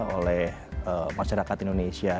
oleh masyarakat indonesia